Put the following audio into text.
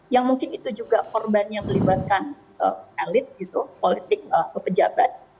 yang mungkin itu juga korban yang melibatkan elit gitu politik pejabat